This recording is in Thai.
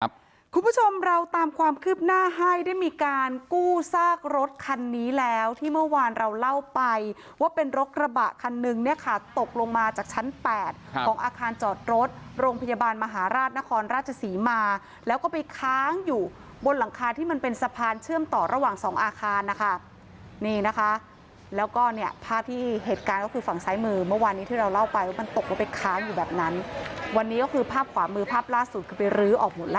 ครับคุณผู้ชมเราตามความคืบหน้าให้ได้มีการกู้ซากรถคันนี้แล้วที่เมื่อวานเราเล่าไปว่าเป็นรถกระบะคันหนึ่งเนี่ยค่ะตกลงมาจากชั้นแปดของอาคารจอดรถโรงพยาบาลมหาราชนครราชสีมาแล้วก็ไปค้างอยู่บนหลังคาที่มันเป็นสะพานเชื่อมต่อระหว่างสองอาคารนะค่ะนี่นะคะแล้วก็เนี่ยภาพที่เหตุการณ์ก็คือฝั่งซ้ายมือเมื่